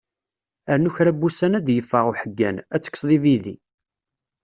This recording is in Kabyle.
Rnu kra n wussan ad yeffeɣ uḥeggan, ad tekkseḍ ibidi.